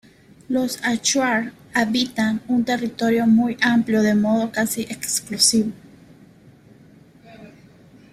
Los Achuar habitan un territorio muy amplio de modo casi exclusivo.